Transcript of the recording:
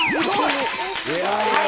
すごい！